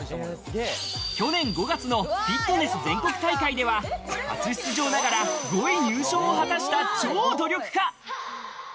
去年５月のフィットネス全国大会では、初出場ながら５位入賞を果たした超努力家。